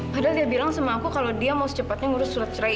padahal dia bilang sama aku kalau dia mau secepatnya ngurus surat cerai